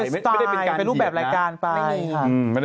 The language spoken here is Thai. ไม่ได้เป็นการเหยียด